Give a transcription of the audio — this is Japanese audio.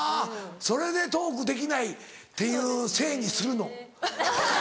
それでトークできないっていうせいにするの？